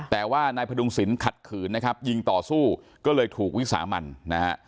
แต่ว่านายพดุงศิลปขัดขืนนะครับยิงต่อสู้ก็เลยถูกวิสามันนะฮะ